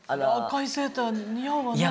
赤いセーター似合うわね。